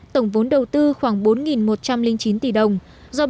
tổng vốn đầu tư khoảng bốn một trăm linh chín tỷ đồng